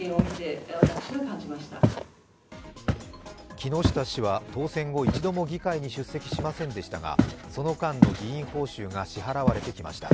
木下氏は当選後、一度も議会に出席しませんでしたがその間の議員報酬が支払われてきました。